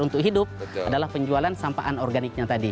untuk hidup adalah penjualan sampah anorganiknya tadi